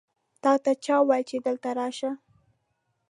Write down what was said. تاته چا وویل چې دلته راشه؟